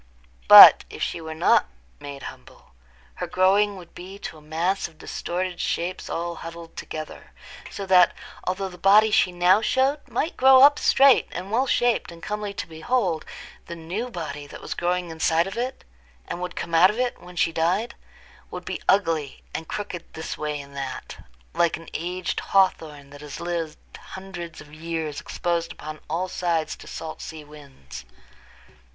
But, if she were not made humble, her growing would be to a mass of distorted shapes all huddled together; so that, although the body she now showed might grow up straight and well shaped and comely to behold, the new body that was growing inside of it, and would come out of it when she died, would be ugly, and crooked this way and that, like an aged hawthorn that has lived hundreds of years exposed upon all sides to salt sea winds.